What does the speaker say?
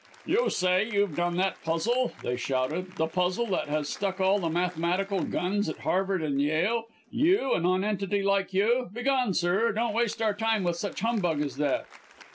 "'You say you've done that puzzle,' they shouted 'the puzzle that has stuck all the mathematical guns at Harvard and Yale you a nonentity like you begone, sir, don't waste our time with such humbug as that.'